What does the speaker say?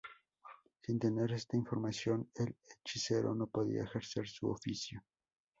Sin tener esta información, el hechicero no podía ejercer su oficio.